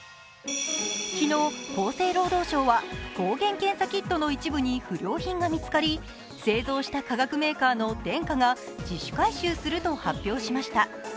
昨日、厚生労働省は抗原キットの一部に不良品が見つかり製造した化学メーカーのデンカが自主回収すると発表しました。